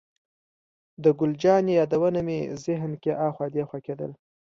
د ګل جانې یادونه مې ذهن کې اخوا دېخوا کېدل.